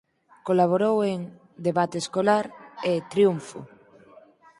Colaborou en "Debate Escolar" e "Triunfo".